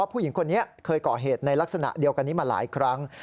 ผู้หญิงคนนี้เคยก่อเหตุในลักษณะเดียวกันนี้มาหลายครั้ง